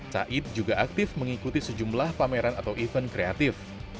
said juga aktif mengikuti sejumlah pameran atau event kreatif